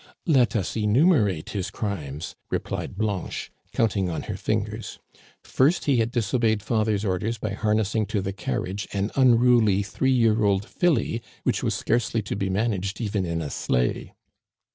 "Let us enumerate his crimes," replied Blanche, counting on her fingers. '* First, he had disobeyed father's orders by harnessing to the carriage an unruly three year old filly which was scarcely to be managed even in a sleigh.